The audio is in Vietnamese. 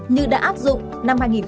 như đã áp dụng